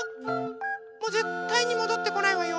もうぜったいにもどってこないわよ。